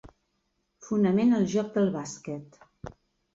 Fonament al joc del bàsquet.